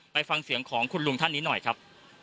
ฟังเสียงของคุณลุงท่านนี้หน่อยครับ